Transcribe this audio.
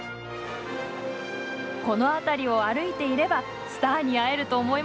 この辺りを歩いていればスターに会えると思いませんか？